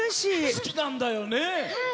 好きなんだよね。